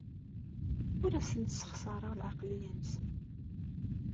Ur asent-ssexṣareɣ lɛeqleyya-nsen.